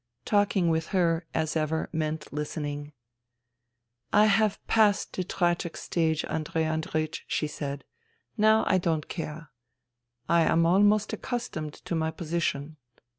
Talking with her, as ever, meant listening. " I have passed the tragic stage, Andrei Andreiech,'* she said. " Now I don't care. I am almost accus tomed to my position."